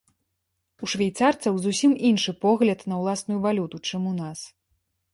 У швейцарцаў зусім іншы погляд на ўласную валюту, чым у нас.